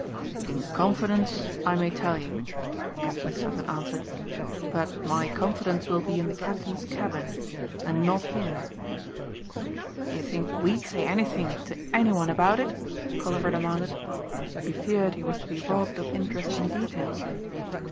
"In confidence, I may tell you," Captain Sutton answered, "but my confidence will be in the captain's cabin and not here." "Do you think we'd say anything to anyone about it?" Colliver demanded. He feared he was to be robbed of interesting details.